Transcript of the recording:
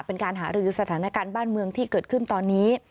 เป็นการหารือสถานการณ์บ้านเมืองที่เกิดขึ้นตอนนี้